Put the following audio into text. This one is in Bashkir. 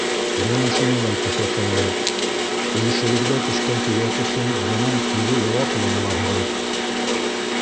Йәнә шуны ла киҫәтәйем: өлөшөгөҙгә төшкән төйәк өсөн бынан кире яуаплы булаһығыҙ.